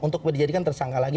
untuk dijadikan tersangka lagi